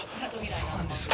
そうなんですか。